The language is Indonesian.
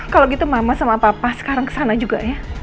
kalau gitu mama sama papa sekarang kesana juga ya